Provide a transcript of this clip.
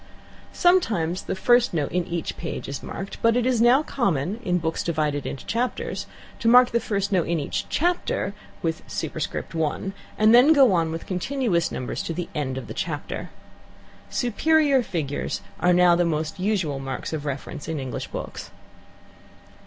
Sometimes the first note in each page is marked;¹ but it is now common, in books divided into chapters, to mark the first note in each chapter with ¹ and then go on with continuous numbers to the end of the chapter. "Superior" figures are now the most usual marks of reference in English books.